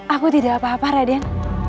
aku tidak apa apa raden